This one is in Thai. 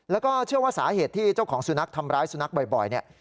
แล้วก็เชื่อว่าสาเหตุที่เจ้าของสุนัขทำร้ายสุนัขบ่อยเนี่ย